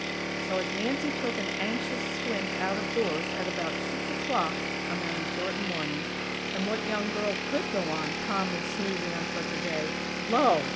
So, as Nancy took an anxious squint out of doors at about six o'clock on that important morning, (and what young girl could go on, calmly snoozing on such a day?) Lo!!